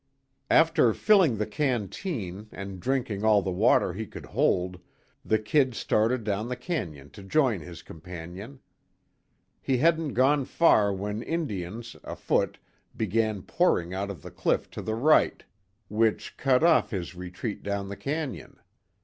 After filling the canteen, and drinking all the water he could hold, the "Kid" started down the canyon to join his companion. He hadn't gone far when Indians, afoot, began pouring out of the cliff to the right, which cut off his retreat down the canyon.